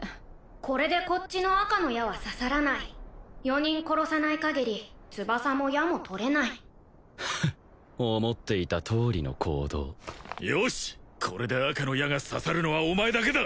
これでこっちの赤の矢は刺さらない４人殺さないかぎり翼も矢も取れないフッ思っていたとおりの行動よしっこれで赤の矢が刺さるのはお前だけだ！